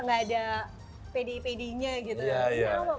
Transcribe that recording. nggak ada pdi pdi nya gitu